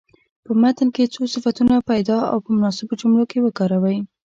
په متن کې څو صفتونه پیدا او په مناسبو جملو کې وکاروئ.